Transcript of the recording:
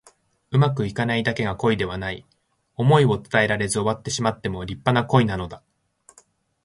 うまくいかないだけが恋ではない。想いを伝えられず終わってしまっても立派な恋なのだ。